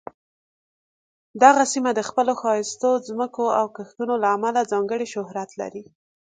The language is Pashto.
دغه سیمه د خپلو ښایسته ځمکو او کښتونو له امله ځانګړې شهرت لري.